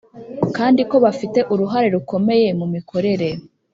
kandi ko bafite uruhare rukomeye mu mikorere